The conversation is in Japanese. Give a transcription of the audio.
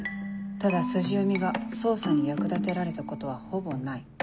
ただ筋読みが捜査に役立てられたことはほぼない。